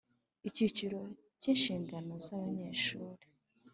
Icyiciro cya inshingano z abanyeshuri